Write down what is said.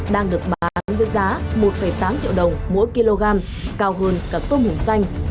đang được bán với giá một tám triệu đồng mỗi kg cao hơn cả tôm hùm xanh